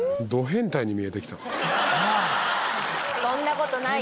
変態に見えてきた。